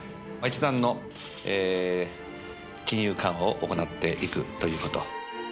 一段の金融緩和を行っていくということ。